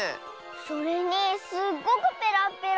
それにすっごくペラッペラ。